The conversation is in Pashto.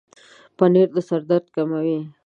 پنېر د سر درد کموي.